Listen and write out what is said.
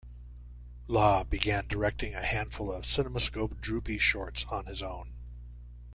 Lah began directing a handful of CinemaScope Droopy shorts on his own.